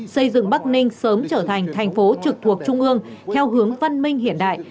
xây dựng bắc ninh sớm trở thành thành phố trực thuộc trung ương theo hướng văn minh hiện đại